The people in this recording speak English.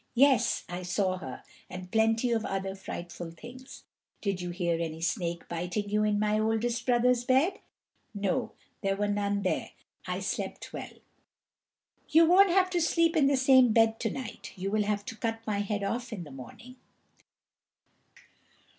"Yes, I saw her, and plenty of other frightful things." "Did you hear any snake biting you in my oldest brother's bed?" "No, there were none there; I slept well." "You won't have to sleep in the same bed to night. You will have to cut my head off in the morning."